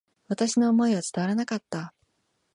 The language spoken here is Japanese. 私の思いは伝わらなかった。